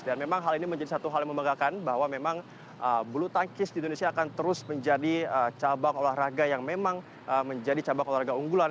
dan memang hal ini menjadi satu hal yang memegangkan bahwa memang buluh tangkis di indonesia akan terus menjadi cabang olahraga yang memang menjadi cabang olahraga unggulan